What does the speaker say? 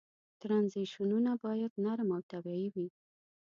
ترنزیشنونه باید نرم او طبیعي وي.